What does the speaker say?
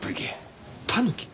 タヌキ？